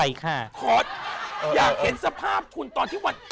ยากเห็นสภาพคุณต่อที่หวัด